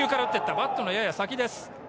バットのやや先です。